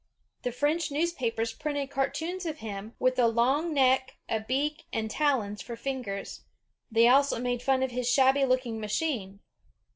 The French new^apers printed cartoons of him, with a long neck, a beak, and talons for fingers; they also made fun of his shabby looking machine.